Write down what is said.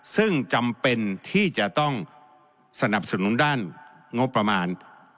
ซึ่งจำเป็นที่จะต้องสนับสนุนด้านงบประมาณ